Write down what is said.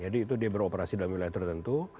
jadi itu dia beroperasi dalam wilayah tertentu